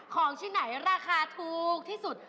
ของที่ไหนราคาถูกที่สุด